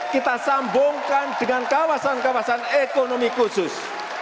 kita sambungkan dengan kawasan kawasan ekonomi khusus